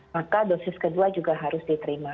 maka dosis kedua juga harus diterima